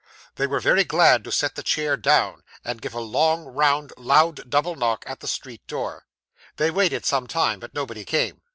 They were very glad to set the chair down, and give a good round loud double knock at the street door. They waited some time, but nobody came.